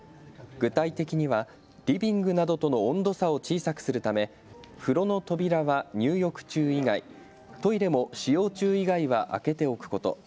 具体的にはリビングなどとの温度差を小さくするため風呂の扉は入浴中以外、トイレも使用中以外は開けておくこと。